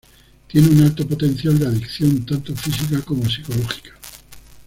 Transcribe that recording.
Tienen un alto potencial de adicción, tanto física como psicológica.